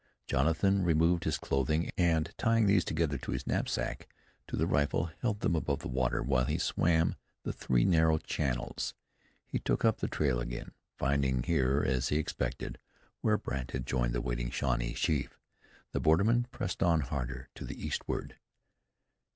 Jonathan removed his clothing, and tying these, together with his knapsack, to the rifle, held them above the water while he swam the three narrow channels. He took up the trail again, finding here, as he expected, where Brandt had joined the waiting Shawnee chief. The borderman pressed on harder to the eastward.